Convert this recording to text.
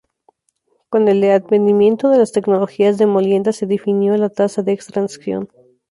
Con el advenimiento de las tecnologías de molienda se definió la "tasa de extracción".